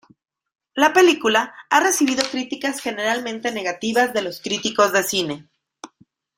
La película ha recibido críticas generalmente negativas de los críticos de cine.